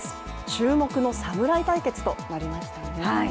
注目の侍対決となりましたね。